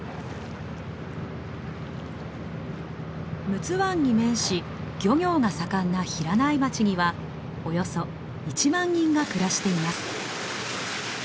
陸奥湾に面し漁業が盛んな平内町にはおよそ１万人が暮らしています。